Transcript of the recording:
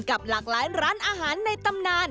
หลากหลายร้านอาหารในตำนาน